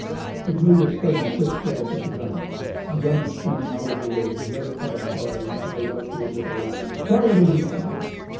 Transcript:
It made a sudden, quick dash at the gunner. The gunner sprang out of the way, let it pass by, and cried out to it with a laugh, "Try it again!"